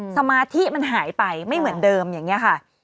สมาธิมันหายไปไม่เหมือนเดิมอย่างนี้ค่ะ